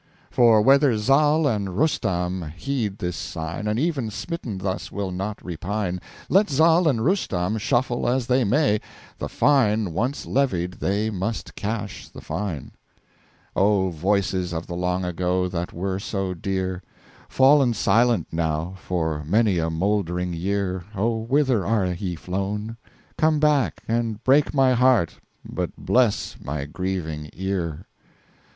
For whether Zal and Rustam heed this Sign, And even smitten thus, will not repine, Let Zal and Rustam shuffle as they may, The Fine once levied they must Cash the Fine. O Voices of the Long Ago that were so dear! Fall'n Silent, now, for many a Mould'ring Year, O whither are ye flown? Come back, And break my heart, but bless my grieving ear.